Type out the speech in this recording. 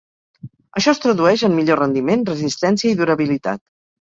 Això es tradueix en millor rendiment, resistència i durabilitat.